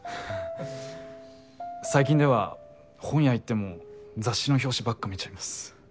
最近では本屋行っても雑誌の表紙ばっか見ちゃいます。